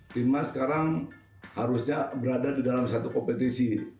timnas sekarang harusnya berada di dalam satu kompetisi